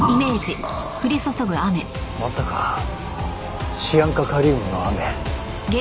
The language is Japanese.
まさかシアン化カリウムの雨。